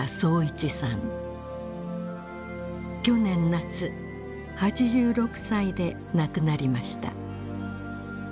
去年夏８６歳で亡くなりました。